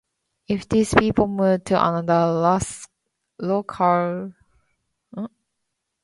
If these people move to another locale, their interest in railroads might be nostalgic.